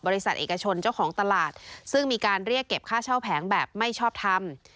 เอกชนเจ้าของตลาดซึ่งมีการเรียกเก็บค่าเช่าแผงแบบไม่ชอบทำ